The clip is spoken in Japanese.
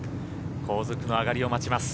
後続の上がりを待ちます。